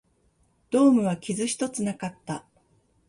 ドームは傷一つなかった